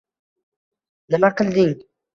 Nima qilding?